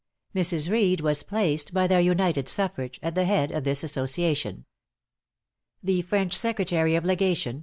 Mrs. Reed was placed, by their united suffrage, at the head of this association. The French Secretary of Legation, M.